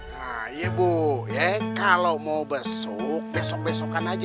nah iya bu kalau mau besok besok besokan aja